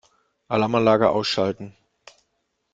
Alarmanlage ausschalten.